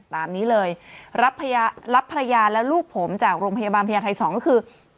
ตามนี้เลยรับภรรยารับภรรยาแล้วลูกผมจากโรงพยาบาลภิกรไทย๒ก็คือ